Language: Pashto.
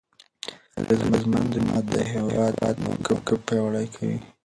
اغېزمن ډيپلوماټ د هېواد موقف پیاوړی کوي.